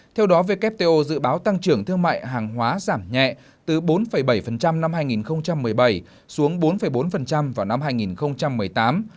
theo đó wto dự báo tăng trưởng thương mại hàng hóa giảm nhẹ từ bốn bảy năm hai nghìn một mươi bảy xuống bốn bốn vào năm hai nghìn một mươi tám